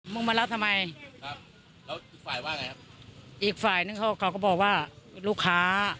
ต้องการตายแบบนี้